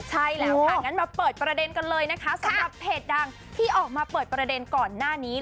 ใช่แล้วค่ะงั้นมาเปิดประเด็นกันเลยนะคะสำหรับเพจดังที่ออกมาเปิดประเด็นก่อนหน้านี้